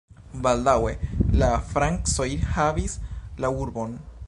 Baldaŭe la francoj havis la urbon.